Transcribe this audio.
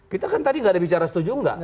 kita kan tadi enggak ada bicara setuju enggak